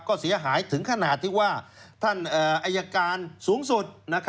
ก็เสียหายถึงขนาดที่ว่าท่านอายการสูงสุด